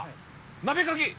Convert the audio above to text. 鍋かき！